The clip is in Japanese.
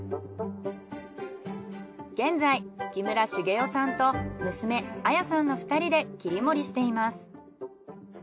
現在木村茂代さんと娘亜也さんの２人で切り盛りしています。